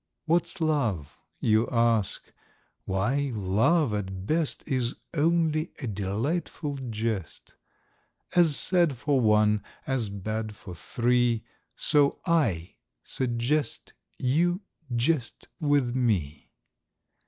What's love? you ask;—why, love at best Is only a delightful jest;— As sad for one, as bad for three, So I suggest you jest with me.